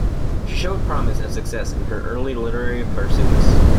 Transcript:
She showed promise and success in her early literary pursuits.